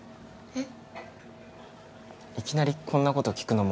えっ？